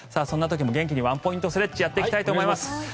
そんな時も元気にワンポイントストレッチをやっていきたいと思います。